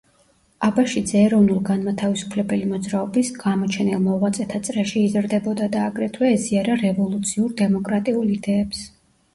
აბაშიძე ეროვნულ-განმათავისუფლებელი მოძრაობის გამოჩენილ მოღვაწეთა წრეში იზრდებოდა და აგრეთვე ეზიარა რევოლუციურ-დემოკრატიულ იდეებს.